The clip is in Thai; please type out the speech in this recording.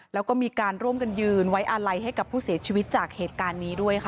แล้วก็มีการร่วมกันยืนไว้อาลัยให้กับผู้เสียชีวิตจากเหตุการณ์นี้ด้วยค่ะ